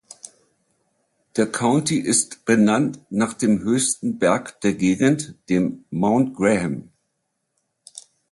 Der County ist benannt nach dem höchsten Berg der Gegend, dem Mount Graham.